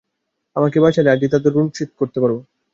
আমাকে বাঁচালে, আজই তাদের ঋণ শোধ করতে পারবে।